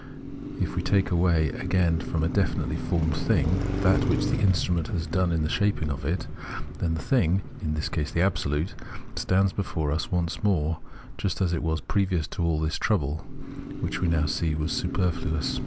If we take away again from a definitely formed thing that which the instrument has done in the shaping of it, then the thing (in this case the Absolute) stands before us once more just as it was previous to all this trouble, which, as we now see, was superfluous.